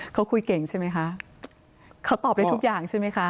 เขาคุยเก่งใช่ไหมคะเขาตอบได้ทุกอย่างใช่ไหมคะ